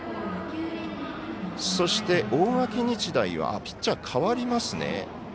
そして、大垣日大はピッチャー代わりますね。